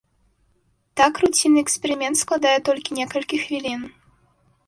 Так руцінны эксперымент складае толькі некалькі хвілін.